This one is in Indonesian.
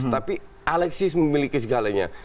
tapi alexis memiliki segalanya